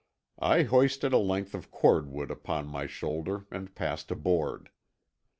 I hoisted a length of cordwood upon my shoulder and passed aboard.